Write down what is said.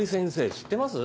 知ってます？